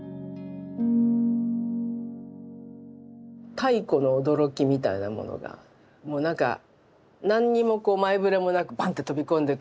太古の驚きみたいなものがもうなんか何にもこう前触れなくばんって飛び込んでくる。